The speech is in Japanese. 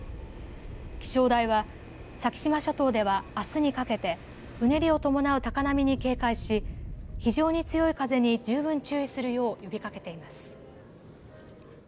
気象台は先島諸島ではあすにかけてうねりを伴った高波に警戒し非常に強い風に十分注意するよう呼びかけています。